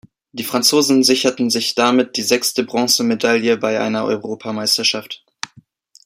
Die Franzosen sicherten sich damit die sechste Bronzemedaille bei einer Europameisterschaft.